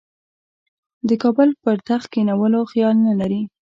د کابل پر تخت کښېنولو خیال نه لري.